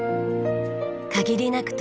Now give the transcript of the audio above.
限りなく